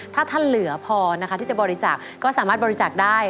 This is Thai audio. ถ้าท่านเหลือพอนะคะที่จะบริจาคก็สามารถบริจาคได้